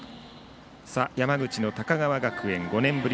山口の高川学園は５年ぶり